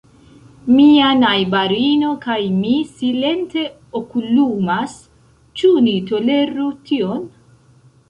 Mia najbarino kaj mi silente okulumas: ĉu ni toleru tion?